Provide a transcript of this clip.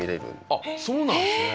あっそうなんですね。